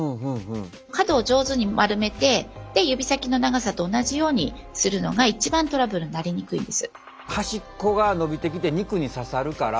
角を上手に丸めて指先の長さと同じようにするのが一番トラブルになりにくいです。